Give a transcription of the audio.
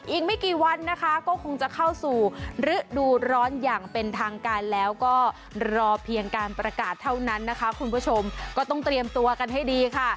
อีกไม่กี่วันนะคะก็คงจะเข้าสู่ฤดูร้อนอย่างเป็นทางการแล้วก็รอเพียงการประกาศเท่านั้นนะคะคุณผู้ชมก็ต้องเตรียมตัวกันให้ดีค่ะ